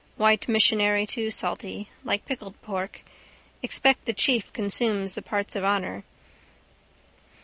White missionary too salty. Like pickled pork. Expect the chief consumes the parts of honour.